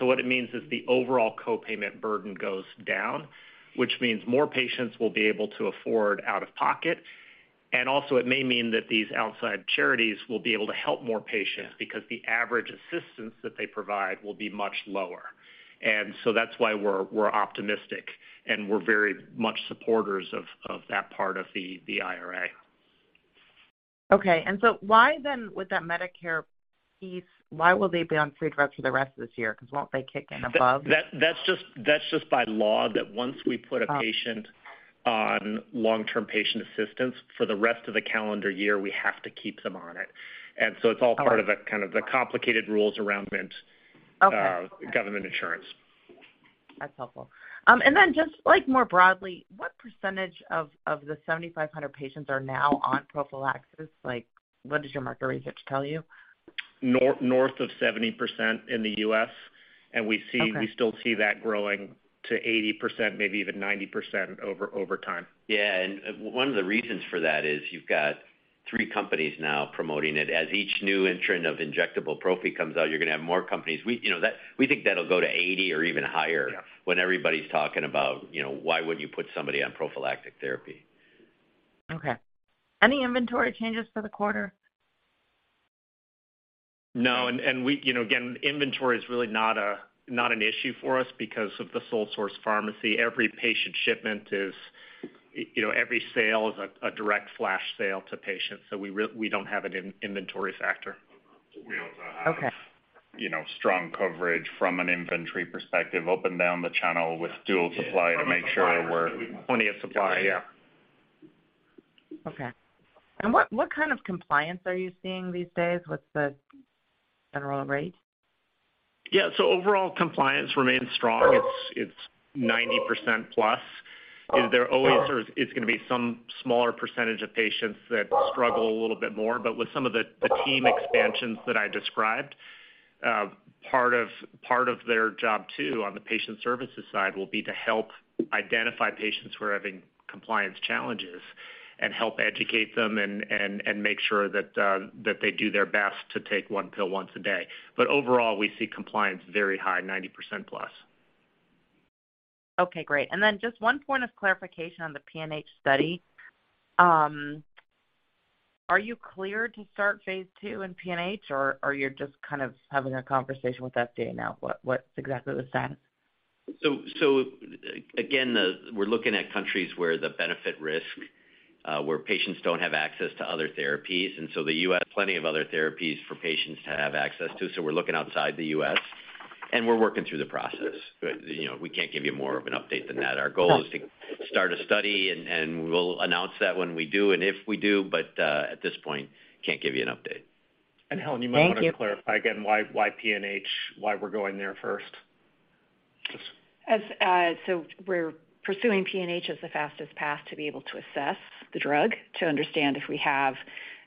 What it means is the overall co-payment burden goes down, which means more patients will be able to afford out of pocket. Also it may mean that these outside charities will be able to help more patients because the average assistance that they provide will be much lower. That's why we're optimistic, and we're very much supporters of that part of the IRA. Okay. Why then would that Medicare piece, why will they be on free drug for the rest of this year? Won't they kick in above- That's just by law that once we put a patient on long-term patient assistance, for the rest of the calendar year, we have to keep them on it. It's all part of the kind of the complicated rules around. Okay. government insurance. That's helpful. Then just like more broadly, what % of the 7,500 patients are now on prophylaxis? Like, what does your market research tell you? Nor-north of 70% in the US. Okay. We still see that growing to 80%, maybe even 90% over time. Yeah. One of the reasons for that is you've got three companies now promoting it. As each new entrant of injectable prophy comes out, you're gonna have more companies. We think that'll go to 80 or even higher. Yeah. When everybody's talking about, you know, why wouldn't you put somebody on prophylactic therapy? Okay. Any inventory changes for the quarter? No. You know, again, inventory is really not an issue for us because of the sole source pharmacy. Every patient shipment is, you know, every sale is a direct flash sale to patients. We don't have an in-inventory factor. Okay. You know, strong coverage from an inventory perspective up and down the channel with dual supply to make sure. Plenty of supply. Yeah. Okay. What kind of compliance are you seeing these days with the federal rate? Overall compliance remains strong. It's 90% plus. It's gonna be some smaller percentage of patients that struggle a little bit more. With some of the team expansions that I described, part of their job too, on the patient services side, will be to help identify patients who are having compliance challenges and help educate them and make sure that they do their best to take one pill once a day. Overall, we see compliance very high, 90% plus. Okay, great. Just one point of clarification on the PNH study. Are you clear to start phase II in PNH, or you're just kind of having a conversation with FDA now? What exactly was said? Again, we're looking at countries where the benefit risk, where patients don't have access to other therapies. The U.S., plenty of other therapies for patients to have access to. We're looking outside the U.S., and we're working through the process. You know, we can't give you more of an update than that. Our goal is to start a study, and we'll announce that when we do and if we do, but at this point, can't give you an update. Thank you. Helen, you might want to clarify again why PNH, why we're going there first? We're pursuing PNH as the fastest path to be able to assess the drug to understand if we have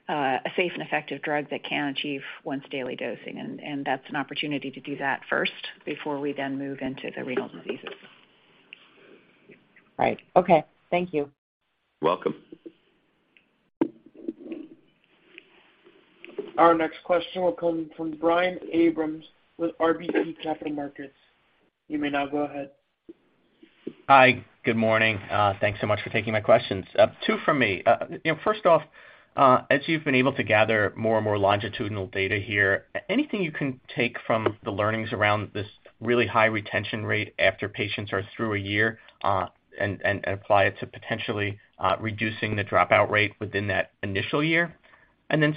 a safe and effective drug that can achieve once daily dosing. That's an opportunity to do that first before we then move into the renal diseases. Right. Okay. Thank you. Welcome. Our next question will come from Brian Abrahams with RBC Capital Markets. You may now go ahead. Hi. Good morning. Thanks so much for taking my questions. Two for me. You know, first off, as you've been able to gather more and more longitudinal data here, anything you can take from the learnings around this really high retention rate after patients are through a year, and apply it to potentially, reducing the dropout rate within that initial year?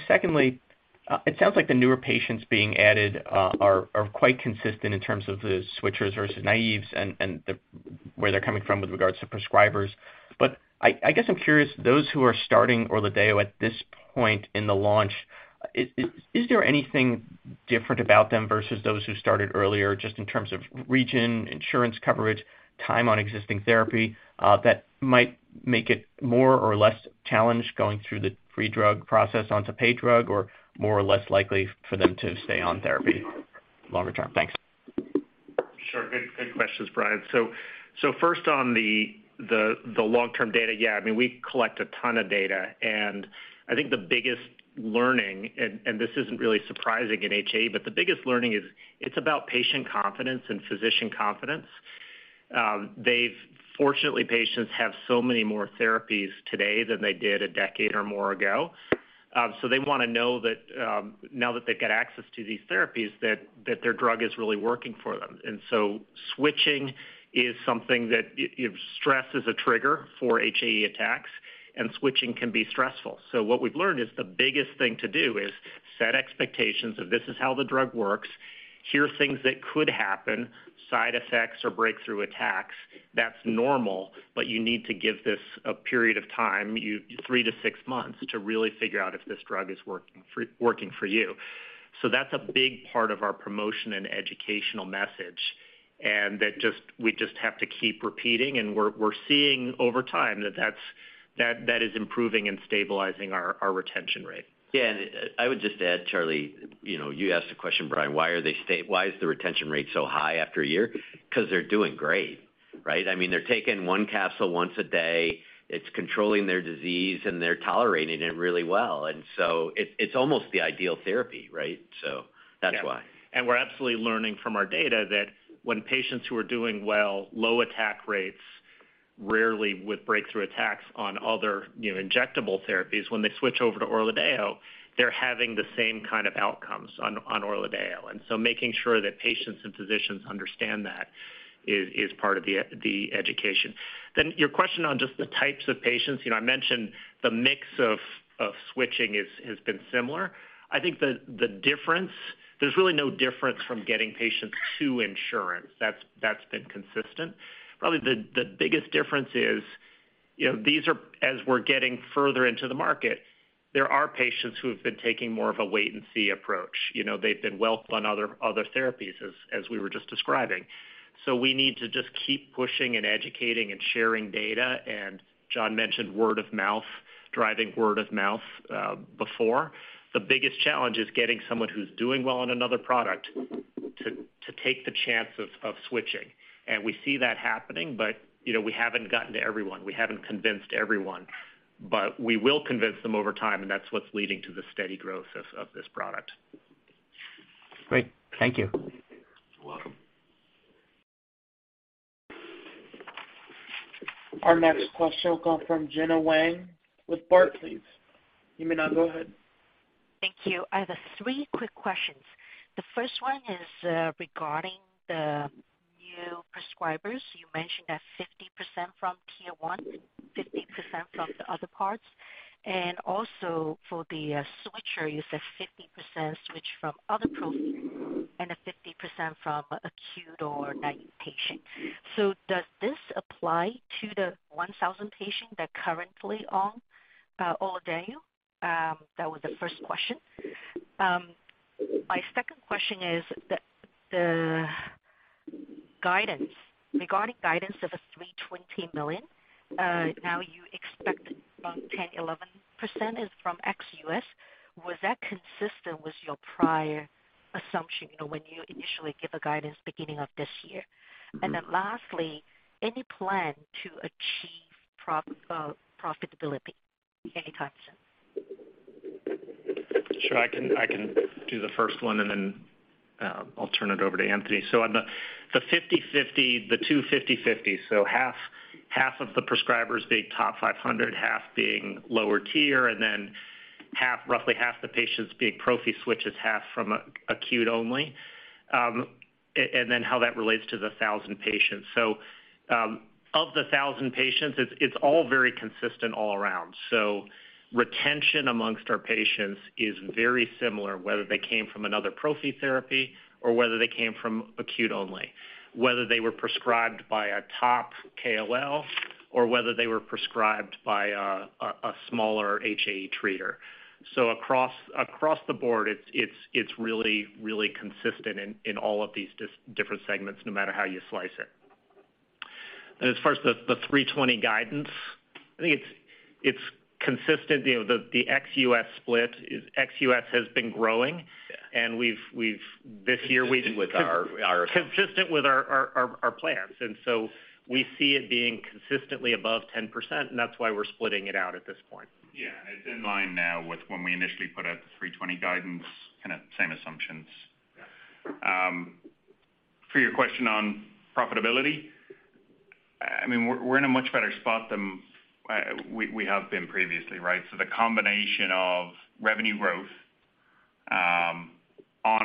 Secondly, it sounds like the newer patients being added, are quite consistent in terms of the switchers versus naives and where they're coming from with regards to prescribers. I guess I'm curious, those who are starting ORLADEYO at this point in the launch, is there anything different about them versus those who started earlier just in terms of region, insurance coverage, time on existing therapy, that might make it more or less challenged going through the free drug process onto paid drug or more or less likely for them to stay on therapy longer term? Thanks. Sure. Good questions, Brian. First on the long-term data. Yeah, I mean, we collect a ton of data, and I think the biggest learning, and this isn't really surprising in HAE, but the biggest learning is it's about patient confidence and physician confidence. Fortunately, patients have so many more therapies today than they did a decade or more ago. They wanna know that now that they've got access to these therapies, that their drug is really working for them. Switching is something that stress is a trigger for HAE attacks, and switching can be stressful. What we've learned is the biggest thing to do is set expectations of this is how the drug works. Here are things that could happen, side effects or breakthrough attacks. That's normal, but you need to give this a period of time, 3-6 months to really figure out if this drug is working for you. That's a big part of our promotion and educational message. We just have to keep repeating, and we're seeing over time that that is improving and stabilizing our retention rate. Yeah. I would just add, Charlie, you know, you asked a question, Brian, why is the retention rate so high after a year? 'Cause they're doing great, right? I mean, they're taking one capsule once a day. It's controlling their disease, and they're tolerating it really well. It's almost the ideal therapy, right? That's why. Yeah. We're absolutely learning from our data that when patients who are doing well, low attack rates, rarely with breakthrough attacks on other, you know, injectable therapies, when they switch over to ORLADEYO, they're having the same kind of outcomes on ORLADEYO. Making sure that patients and physicians understand that is part of the education. Your question on just the types of patients, you know, I mentioned the mix of switching has been similar. I think the difference, there's really no difference from getting patients to insurance. That's been consistent. Probably the biggest difference is, you know, these are as we're getting further into the market, there are patients who have been taking more of a wait and see approach. You know, they've been well on other therapies as we were just describing. We need to just keep pushing and educating and sharing data. Jon mentioned word of mouth, driving word of mouth, before. The biggest challenge is getting someone who's doing well on another product to take the chance of switching. We see that happening, but, you know, we haven't gotten to everyone. We haven't convinced everyone, but we will convince them over time, and that's what's leading to the steady growth of this product. Great. Thank you. You're welcome. Our next question will come from Gena Wang with Barclays, please. You may now go ahead. Thank you. I have three quick questions. The first one is regarding You prescribers, you mentioned that 50% from tier one, 50% from the other parts, and also for the switcher, you said 50% switch from other prophy and a 50% from acute or naive patient. Does this apply to the 1,000 patients that currently on ORLADEYO? That was the first question. My second question is the guidance. Regarding guidance of a $320 million, now you expect about 10%, 11% is from ex-US. Was that consistent with your prior assumption, you know, when you initially gave a guidance beginning of this year? Lastly, any plan to achieve profitability any time soon? Sure. I can do the first one, and then I'll turn it over to Anthony. On the 50/50, the two 50/50, so half of the prescribers being top 500, half being lower tier, and then roughly half the patients being prophy switches, half from acute only, and then how that relates to the 1,000 patients. Of the 1,000 patients, it's all very consistent all around. Retention amongst our patients is very similar, whether they came from another prophy therapy or whether they came from acute only, whether they were prescribed by a top KOL or whether they were prescribed by a smaller HAE treater. Across the board, it's really, really consistent in all of these different segments, no matter how you slice it. As far as the $320 million guidance, I think it's consistent. You know, the ex-US split is ex-US has been growing. Consistent with our. Consistent with our plans. We see it being consistently above 10%, and that's why we're splitting it out at this point. Yeah. It's in line now with when we initially put out the $320 guidance, kinda same assumptions. Yeah. For your question on profitability, I mean, we're in a much better spot than we have been previously, right. The combination of revenue growth on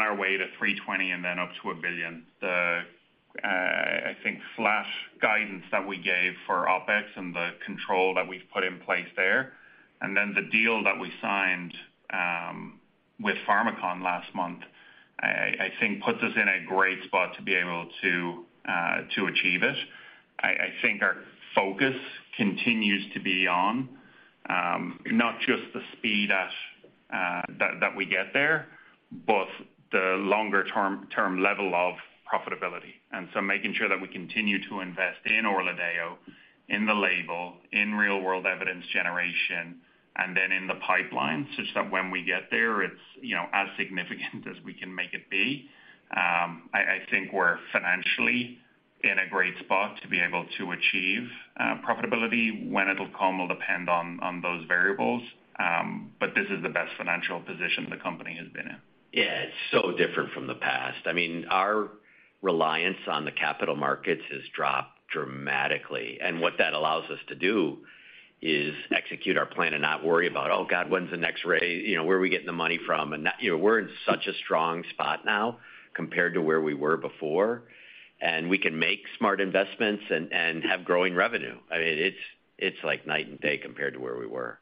our way to $320 million and then up to $1 billion. I think flash guidance that we gave for OpEx and the control that we've put in place there, and then the deal that we signed with Pharmakon last month, I think puts us in a great spot to be able to achieve it. I think our focus continues to be on not just the speed at that we get there, but the longer term level of profitability. Making sure that we continue to invest in ORLADEYO, in the label, in real-world evidence generation, and then in the pipeline, such that when we get there, it's, you know, as significant as we can make it be. I think we're financially in a great spot to be able to achieve profitability. When it'll come will depend on those variables, but this is the best financial position the company has been in. It's so different from the past. I mean, our reliance on the capital markets has dropped dramatically. What that allows us to do is execute our plan and not worry about, Oh, God, when's the next raise? You know, where are we getting the money from? You know, we're in such a strong spot now compared to where we were before, and we can make smart investments and have growing revenue. I mean, it's like night and day compared to where we were.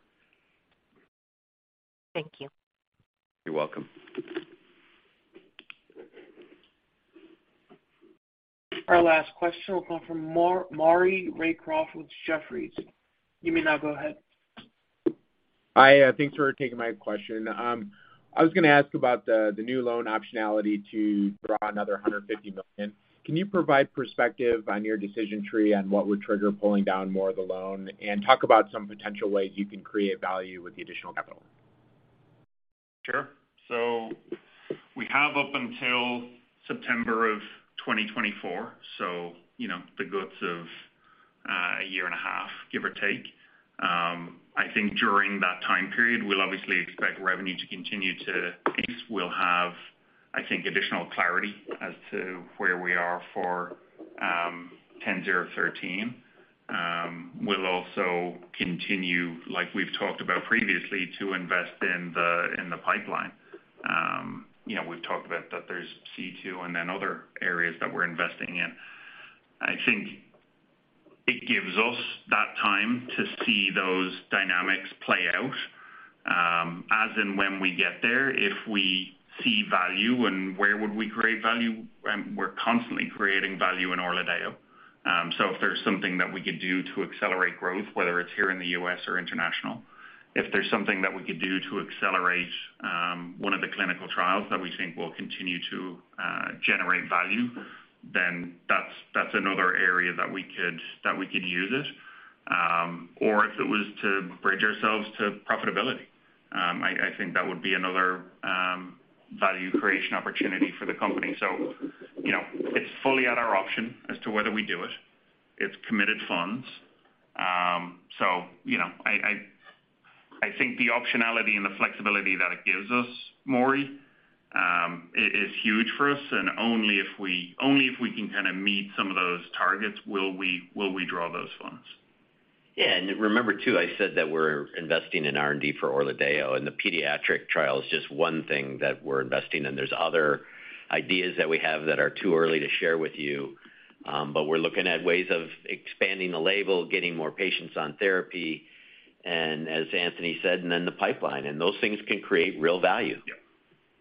Thank you. You're welcome. Our last question will come from Maury Raycroft with Jefferies. You may now go ahead. Hi. Thanks for taking my question. I was gonna ask about the new loan optionality to draw another $150 million. Can you provide perspective on your decision tree on what would trigger pulling down more of the loan? Talk about some potential ways you can create value with the additional capital. Sure. We have up until September of 2024, so, you know, the guts of a year and a half, give or take. I think during that time period, we'll obviously expect revenue to continue to increase. We'll have, I think, additional clarity as to where we are for BCX10013. We'll also continue, like we've talked about previously, to invest in the, in the pipeline. You know, we've talked about that there's C2 and then other areas that we're investing in. I think it gives us that time to see those dynamics play out, as in when we get there. If we see value and where would we create value, we're constantly creating value in ORLADEYO. If there's something that we could do to accelerate growth, whether it's here in the U.S. or international, if there's something that we could do to accelerate one of the clinical trials that we think will continue to generate value, then that's another area that we could use it. If it was to bridge ourselves to profitability, I think that would be another value creation opportunity for the company. You know, it's fully at our option as to whether we do it. It's committed funds. You know, I think the optionality and the flexibility that it gives us, Maury, is huge for us. Only if we can kinda meet some of those targets will we draw those funds. Yeah, remember too, I said that we're investing in R&D for ORLADEYO, and the pediatric trial is just one thing that we're investing in. There's other ideas that we have that are too early to share with you. We're looking at ways of expanding the label, getting more patients on therapy, and as Anthony said, and then the pipeline. Those things can create real value. Yeah.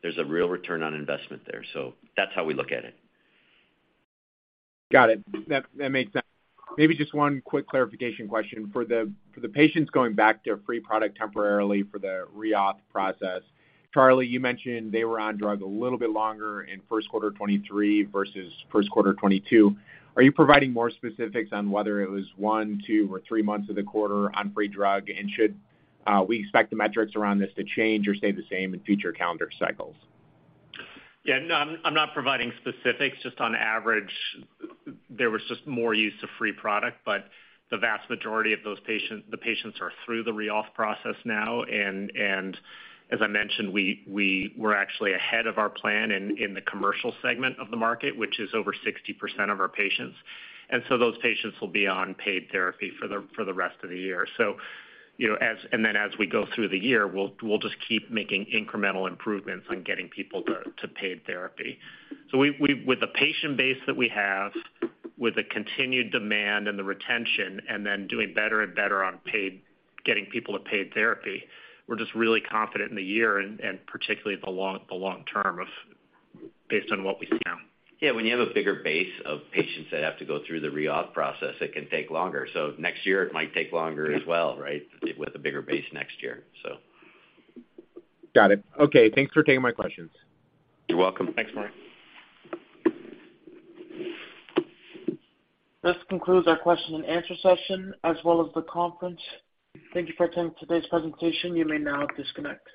There's a real return on investment there. That's how we look at it. Got it. That makes sense. Maybe just one quick clarification question. For the patients going back to free product temporarily for the reauth process, Charlie, you mentioned they were on drug a little bit longer in first quarter 2023 versus first quarter 2022. Are you providing more specifics on whether it was one, two, or three months of the quarter on free drug? Should we expect the metrics around this to change or stay the same in future calendar cycles? Yeah, no, I'm not providing specifics, just on average, there was just more use of free product. The vast majority of those patients are through the reauth process now. As I mentioned, we were actually ahead of our plan in the commercial segment of the market, which is over 60% of our patients. Those patients will be on paid therapy for the rest of the year. You know, and then as we go through the year, we'll just keep making incremental improvements on getting people to paid therapy. We with the patient base that we have, with the continued demand and the retention, doing better and better on getting people to paid therapy, we're just really confident in the year and particularly the long term of based on what we see now. Yeah, when you have a bigger base of patients that have to go through the reauth process, it can take longer. Next year it might take longer as well, right? With a bigger base next year, so. Got it. Okay. Thanks for taking my questions. You're welcome. Thanks, Mark. This concludes our question and answer session as well as the conference. Thank you for attending today's presentation. You may now disconnect.